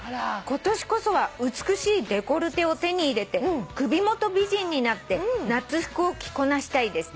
「今年こそは美しいデコルテを手に入れて首元美人になって夏服を着こなしたいです」